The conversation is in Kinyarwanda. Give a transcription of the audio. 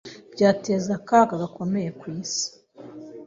byateza akaga gakomeye kw’isi